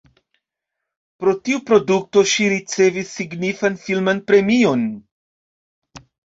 Pro tiu produkto ŝi ricevis signifan filman premion.